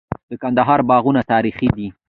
د کندهار باغونه تاریخي دي.